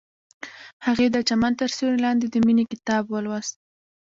هغې د چمن تر سیوري لاندې د مینې کتاب ولوست.